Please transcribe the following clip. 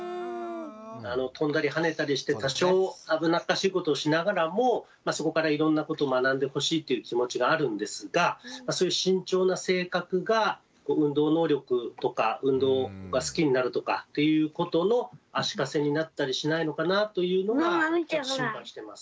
とんだり跳ねたりして多少危なっかしいことをしながらもそこからいろんなことを学んでほしいっていう気持ちがあるんですがそういう慎重な性格が運動能力とか運動が好きになるとかっていうことの足かせになったりしないのかなというのがちょっと心配してます。